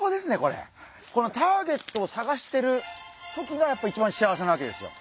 このターゲットを探してる時がやっぱり一番幸せなわけですよ。